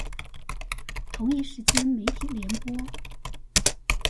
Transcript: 同一時間媒體聯播